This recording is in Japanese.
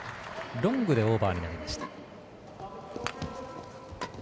ロングでオーバーになりました。